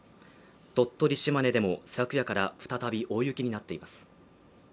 鳥取・島根でも昨夜から再び大雪になっています